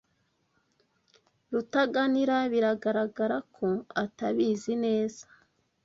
Rutaganira biragaragara ko atabizi neza.